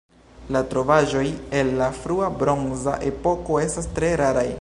La trovaĵoj el la frua bronza epoko estas tre raraj.